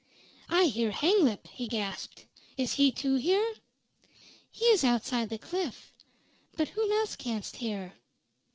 "I hear Hanglip!" he gasped. "Is he, too, here?" "He is outside the cliff. But whom else canst hear?"